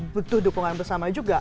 butuh dukungan bersama juga